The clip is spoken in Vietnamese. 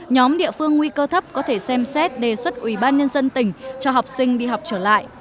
nhóm địa phương nguy cơ thấp có thể xem xét đề xuất ủy ban nhân dân tỉnh cho học sinh đi học trở lại